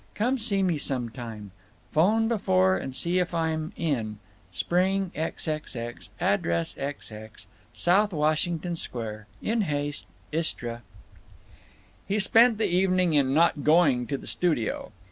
Come see me sometime—phone before and see if I'm in—Spring xxx—address xx South Washington Sq. In haste, ISTRA. He spent the evening in not going to the studio.